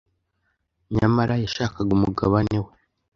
Nyamara yashakaga umugabane we